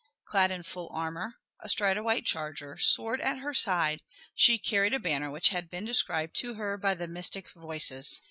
Clad in full armor, astride a white charger, sword at her side, she carried a banner which had been described to her by the mystic voices.